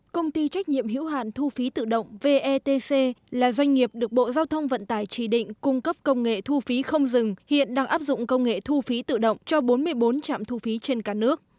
công ty trách nhiệm hữu hạn thu phí tự động vetc là doanh nghiệp được bộ giao thông vận tải chỉ định cung cấp công nghệ thu phí không dừng hiện đang áp dụng công nghệ thu phí tự động cho bốn mươi bốn trạm thu phí trên cả nước